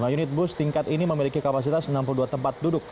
lima unit bus tingkat ini memiliki kapasitas enam puluh dua tempat duduk